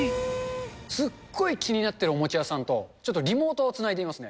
すっごい気になっているお餅やさんとちょっとリモートをつないでみますね。